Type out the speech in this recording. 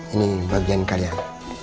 ini bagian kalian